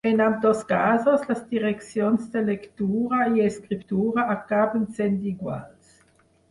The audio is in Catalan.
En ambdós casos, les direccions de lectura i escriptura acaben sent iguals.